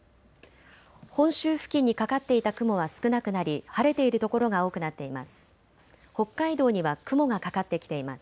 本州付近にかかっていた雲は少なくなり晴れている所が多くなっています。